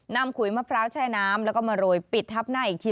ขุยมะพร้าวแช่น้ำแล้วก็มาโรยปิดทับหน้าอีกที